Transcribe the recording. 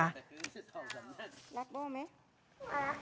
รักโบ้มไหม